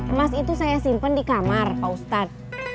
emas itu saya simpen di kamar ustadz